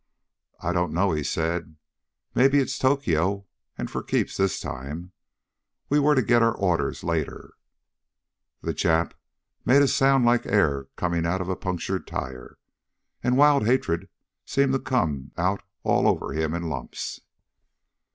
"I don't know," he said. "Maybe it's Tokyo, and for keeps this time. We were to get our orders later." The Jap made a sound like air coming out of a punctured tire, and wild hatred seemed to come out all over him in lumps.